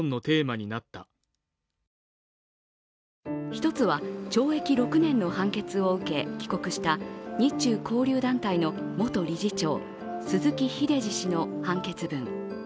１つは懲役６年の判決を受け帰国した日中交流団長の元理事長、鈴木英司氏の判決文。